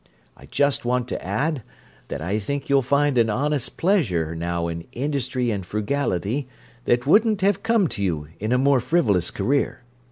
I just want to add that I think you'll find an honest pleasure now in industry and frugality that wouldn't have come to you in a more frivolous career.